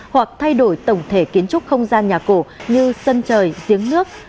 hoặc thay đổi tổng thể kiến trúc không gian nhà cổ như sân trời giếng nước